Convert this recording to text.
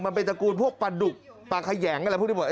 มันเป็นจักรูลพวกปลาดุกปลาขยังอะไรพวกนี้หมด